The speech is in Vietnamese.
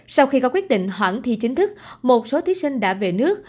sau khi có quyết định hoãn thi chính thức một số thí sinh đã về nước